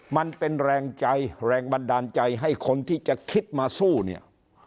มันเป็นแรงใจแรงบันดาลใจให้คนที่จะคิดมาสู้เนี่ย